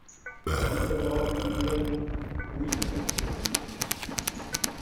Avis favorable du Gouvernement ? Oui, madame la présidente.